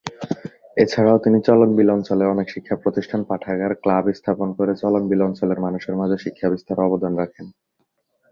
এছাড়াও তিনি চলনবিল অঞ্চলে অনেক শিক্ষা প্রতিষ্ঠান, পাঠাগার, ক্লাব স্থাপন করে চলনবিল অঞ্চলের মানুষের মাঝে শিক্ষা বিস্তারে অবদান রাখেন।